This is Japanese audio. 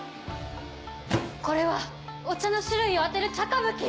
これはお茶の種類を当てる茶歌舞伎！